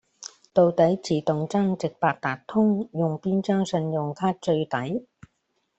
到底自動增值八達通，用邊張信用卡最抵？